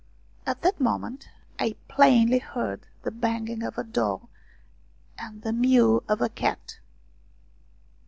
At that moment I plainly heard the banging of a door and the mew of a cat.